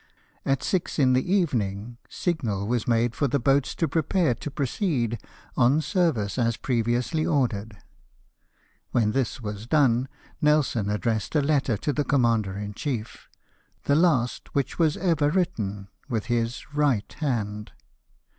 At six in the evening signal was made for the boats to prepare to proceed on service as previously ordered. When this was done Nelson addressed a letter to the commander in chief — the last which was ever written with his right hand.